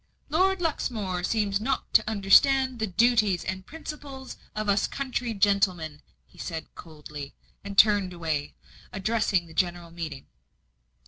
"Lord Luxmore seems not to understand the duties and principles of us country gentlemen," he said coldly, and turned away, addressing the general meeting.